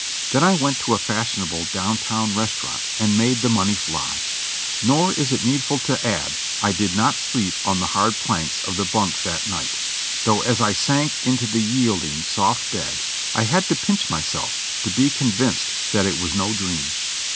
Then I went to a fashionable down town restaurant and made the money fly. Nor is it needful to add I did not sleep on the hard planks of the bunks that night, though as I sank into the yielding, soft bed I had to pinch myself to be convinced that it was no dream.